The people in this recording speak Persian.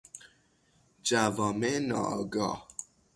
جوامع ناآگاه